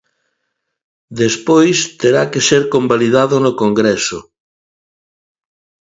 Despois, terá que ser convalidado no Congreso.